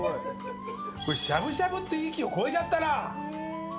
これしゃぶしゃぶという域を超えちゃったな。